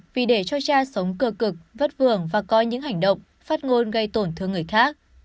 vì để cho cha sống cơ cực vất vả và coi những hành động phát ngôn gây tổn thương người khác